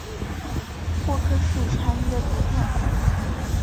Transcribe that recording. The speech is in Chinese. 沃克氏蟾鱼的图片